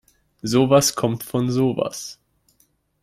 Sowas kommt von sowas.